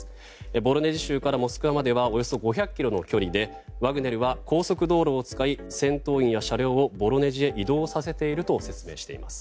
ボロネジ州からモスクワまではおよそ５００ｋｍの距離でワグネルは高速道路を使い戦闘員や車両をボロネジへ移動させていると説明しています。